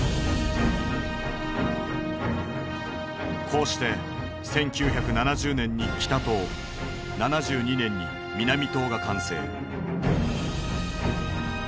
こうして１９７０年に北棟７２年に南棟が完成。